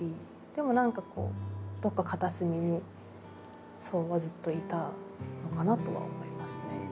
でも何かこうどっか片隅に想はずっといたのかなとは思いますね。